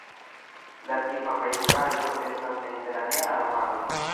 La tipa pejzaĝo estas mediteranea arbaro.